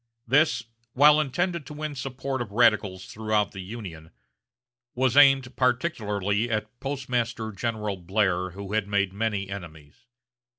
This, while intended to win support of radicals throughout the Union, was aimed particularly at Postmaster General Blair, who had made many enemies.